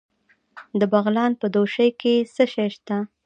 د بغلان په دوشي کې څه شی شته؟